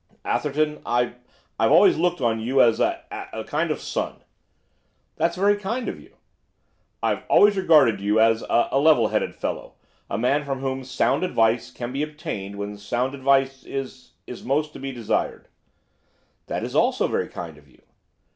'Atherton, I I've always looked on you as a a kind of a son.' 'That's very kind of you.' 'I've always regarded you as a a level headed fellow; a man from whom sound advice can be obtained when sound advice is is most to be desired.' 'That also is very kind of you.